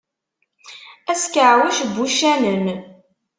Askeɛwec n uccanen.